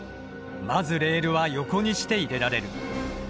まずレールは横にして入れられる。